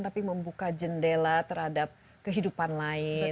tapi membuka jendela terhadap kehidupan lain